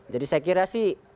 jadi saya kira sih